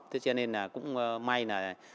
thế cho nên là cũng may là